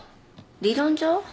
理論上？